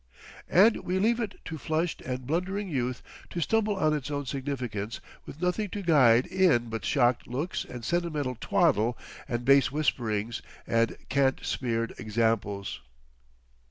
And we leave it to flushed and blundering youth to stumble on its own significance, with nothing to guide in but shocked looks and sentimental twaddle and base whisperings and cant smeared examples.